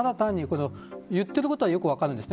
言っていることはよく分かります。